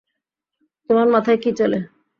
তোমার মাথায় কী চলে?